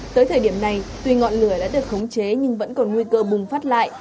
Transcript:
tới thời điểm này tuy ngọn lửa đã được khống chế nhưng vẫn còn nguy cơ bùng phát lại